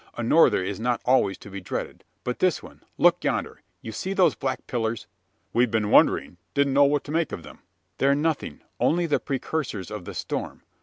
A norther is not always to be dreaded; but this one look yonder! You see those black pillars?" "We've been wondering didn't know what to make of them." "They're nothing only the precursors of the storm.